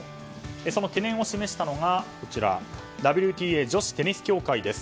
その懸念を示したのがＷＴＡ・女子テニス協会です。